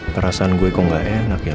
tidur lagi ya